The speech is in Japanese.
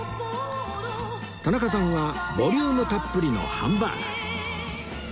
田中さんはボリュームたっぷりのハンバーグ